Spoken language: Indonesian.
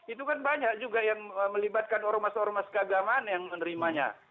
itu kan banyak juga yang melibatkan ormas ormas keagamaan yang menerimanya